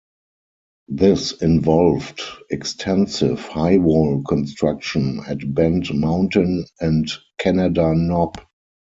This involved extensive highwall construction at Bent Mountain and Canada Knob.